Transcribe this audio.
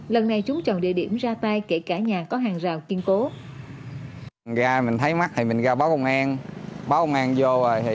lần này chúng chọn địa điểm ra tay kể cả nhà có hàng rào kiên cố